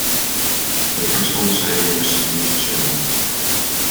The principal designer was Steve Chen.